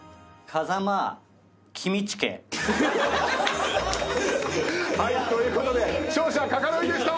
風間キミチケ。ということで勝者カカロニでした。